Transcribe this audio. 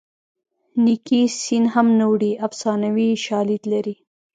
نیکي سین هم نه وړي افسانوي شالید لري